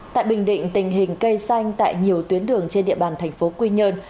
tại bình định tình hình cây xanh tại nhiều tuyến đường trên địa bàn tp quy nhơn